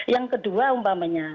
yang kedua umpamanya